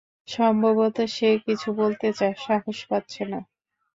সম্ভবত সে কিছু বলতে চায়, সাহস পাচ্ছে না।